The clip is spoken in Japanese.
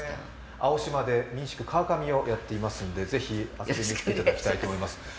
青島で民宿川上をやっていますのでぜひ遊びに行っていただきたいと思います。